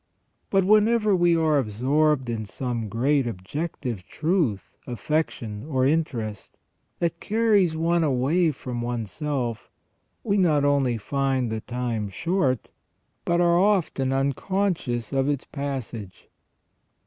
But whenever we are absorbed in some great objective truth, affection, or interest, that carries one away from oneself, we not only find the time short, but are often unconscious of its passage.